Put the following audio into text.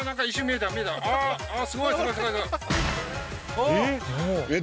あっ！